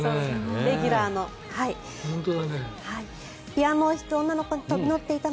レギュラーの。